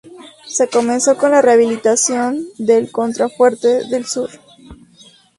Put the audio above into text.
Se comenzó con la rehabilitación del contrafuerte del sur.